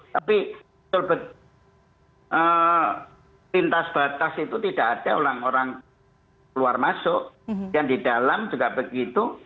tapi lintas batas itu tidak ada orang orang keluar masuk yang di dalam juga begitu